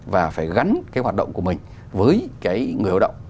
và phải gắn hoạt động của mình với người lao động